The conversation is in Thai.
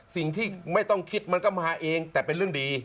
สิ่งที่ไม่ต้องคิดมันก็มาเองแต่เป็นเรื่องดี